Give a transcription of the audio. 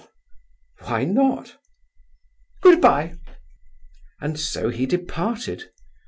"Why not?" "Good bye." And so he departed.